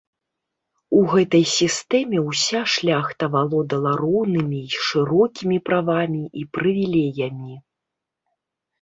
У гэтай сістэме ўся шляхта валодала роўнымі і шырокімі правамі і прывілеямі.